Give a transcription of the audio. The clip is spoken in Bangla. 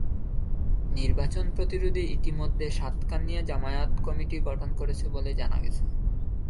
নির্বাচন প্রতিরোধে ইতিমধ্যে সাতকানিয়া জামায়াত কমিটি গঠন করেছে বলে জানা গেছে।